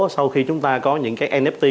sau khi chúng ta có những cái nft